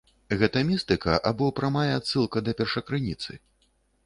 Гэта містыка або прамая адсылка да першакрыніцы?